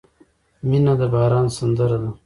• مینه د باران سندره ده.